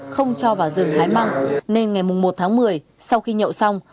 không cho vào rừng hái măng nên ngày một tháng một mươi sau khi nhậu xong